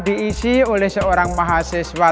diisi oleh seorang mahasiswa